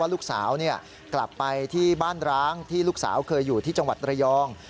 ลูกสาวกลับไปที่บ้านร้างที่ลูกสาวเคยอยู่ที่จังหวัดระยอง